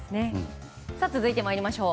続いて参りましょう。